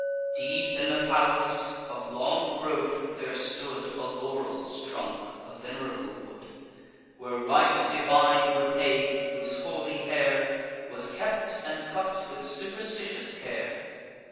Deep in the palace, of long growth, there stood A laurel's trunk, a venerable wood; Where rites divine were paid; whose holy hair Was kept and cut with superstitious care.